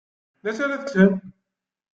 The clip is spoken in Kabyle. Dacu ara teččem?